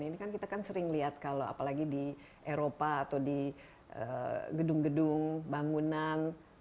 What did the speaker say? ini kan kita kan sering lihat kalau apalagi di eropa atau di gedung gedung bangunan